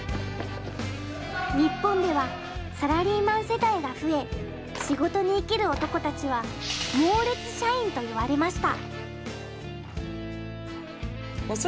日本ではサラリーマン世帯が増え仕事に生きる男たちは「モーレツ社員」と言われました。